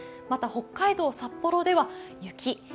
また、北海道札幌では雪。